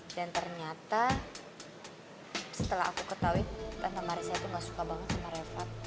dan ternyata setelah aku ketahui tante marissa itu gak suka banget sama reva